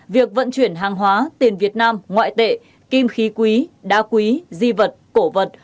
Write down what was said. việc vận chuyển hàng hóa tiền việt nam ngoại tệ kim khí quý đá quý di vật cổ vật